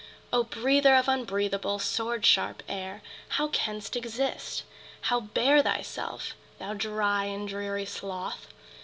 O breather of unbreathable, sword sharp air, How canst exist? How bear thyself, thou dry And dreary sloth?